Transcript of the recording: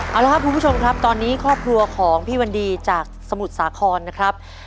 เอาละครับคุณผู้ชมครับตอนนี้ครอบครัวของพี่วันดีจากสมุทรสาครนะครับ